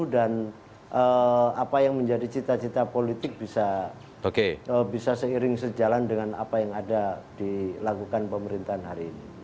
dan apa yang menjadi cita cita politik bisa seiring sejalan dengan apa yang ada dilakukan pemerintahan hari ini